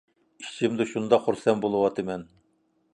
ئىچىمدە شۇنداق خۇرسەن بولۇۋاتىمەن